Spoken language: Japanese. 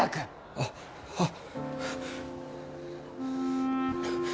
あっあっ